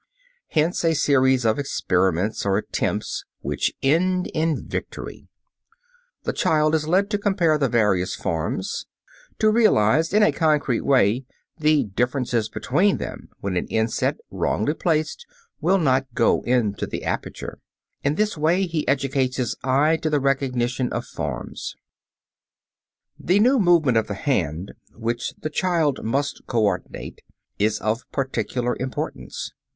Hence a series of "experiments," of "attempts" which end in victory. The child is led to compare the various forms; to realize in a concrete way the differences between them when an inset wrongly placed will not go into the aperture. In this way he educates his eye to the recognition of forms. [Illustration: FIG. 24. CHILD TOUCHING THE INSETS. (MONTESSORI SCHOOL, RUNTON.)] The new movement of the hand which the child must coordinate is of particular importance.